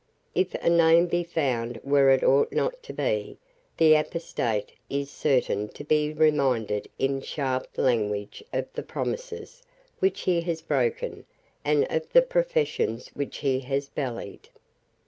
If a name be found where it ought not to be, the apostate is certain to be reminded in sharp language of the promises which he has broken and of the professions which he has belied.